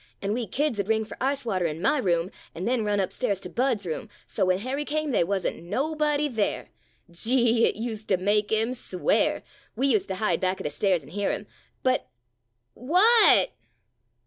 An' we kids 'u'd ring for ice water in my room an' then run up stairs to Bud's room, so when Harry came they wuz n't nobody there. Gee !— it ust to make him swear — we ust to hide back of the stairs an' hear him. But —[ Calls. ]— What